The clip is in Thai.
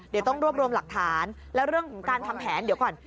เดี๋ยวต้องรวบรวมหลักฐานแล้วเรื่องของการทำแผนเดี๋ยวก่อน